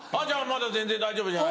じゃあまだ全然大丈夫。